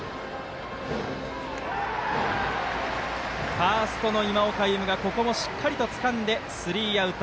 ファーストの今岡歩夢がここも、しっかりとつかんでスリーアウト。